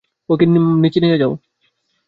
ওকে নিচে নিয়ে যাও।